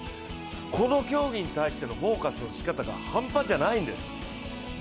この競技に対してのフォーカスのしかたが半端じゃないんです。